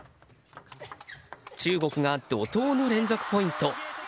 中国が怒涛の連続ポイント。